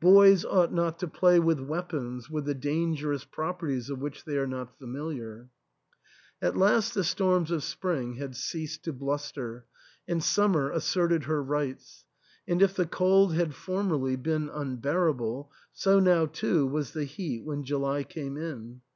Boys ought not to play with weapons with the dangerous properties of which they are not familiar. At last the storms of spring had ceased to bluster, and summer asserted her rights ; and if the cold had formerly been unbearable, so now too was the heat when July came in.